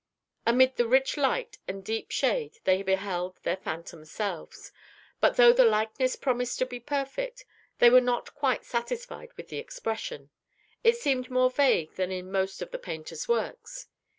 Amid the rich light and deep shade they beheld their phantom selves. But, though the likeness promised to be perfect, they were not quite satisfied with the expression; it seemed more vague than in most of the painter's works.